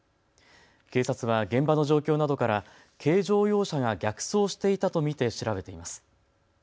警察は現場の状況などから軽乗用車が逆走していたと見て調べています。